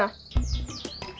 udah aku beliin hpnya